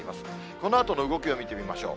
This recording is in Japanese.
このあとの動きを見てみましょう。